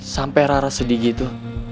sampai rara sedih gitu